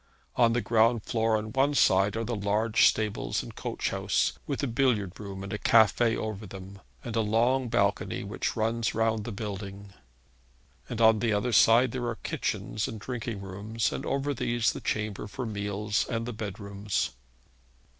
On the ground floor on one side are the large stables and coach house, with a billiard room and cafe over them, and a long balcony which runs round the building; and on the other side there are kitchens and drinking rooms, and over these the chamber for meals and the bedrooms.